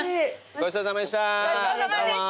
ごちそうさまでした。